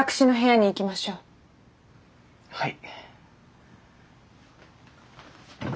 はい。